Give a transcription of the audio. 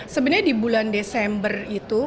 sebenarnya di bulan desember itu